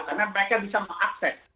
karena mereka bisa mengakses